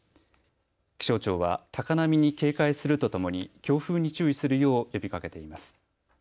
気象庁は高波に警戒するとともに強風に注意するよう呼びかけています。